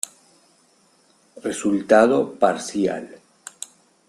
Resultado Parcial.